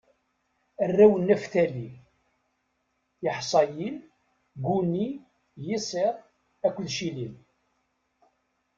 Arraw n Naftali: Yaḥṣayil, Guni, Yiṣir akked Cilim.